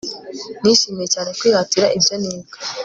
Nishimiye cyane kwihatira ibyo niga